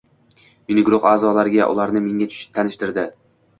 Meni guruh aʼzolariga, ularni menga tanishtirdi.